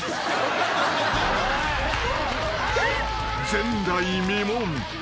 ［前代未聞。